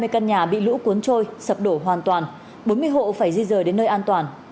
hai mươi căn nhà bị lũ cuốn trôi sập đổ hoàn toàn bốn mươi hộ phải di rời đến nơi an toàn